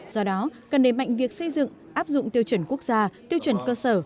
do đó cần đề mạnh việc xây dựng áp dụng tiêu chuẩn quốc gia tiêu chuẩn cơ sở